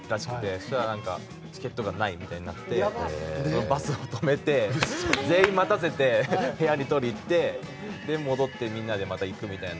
そしたらチケットがない！みたいになってバスを止めて、全員待たせて部屋に取りに行って、戻ってみんなで行くみたいな。